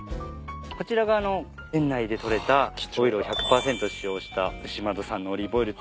こちらが園内で採れたオリーブを１００％使用した牛窓産のオリーブオイル。